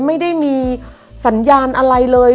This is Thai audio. ไม่ได้มีสัญญาณอะไรเลย